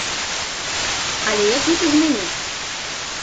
Але як гэта змяніць?